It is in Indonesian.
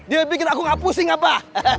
dia bikin aku gak pusing apa